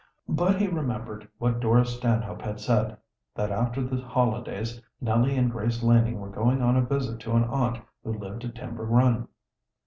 But he remembered what Dora Stanhope had said, that after the holidays Nellie and Grace Laning were going on a visit to an aunt who lived at Timber Run.